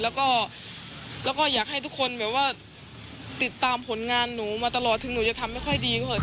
แล้วก็แล้วก็อยากให้ทุกคนเหมือนว่าติดตามผลงานหนูมาตลอดถึงหนูจะทำไม่ค่อยดีก็เถอะ